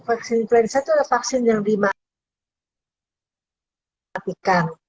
vaksin influenza itu adalah vaksin yang dimatikan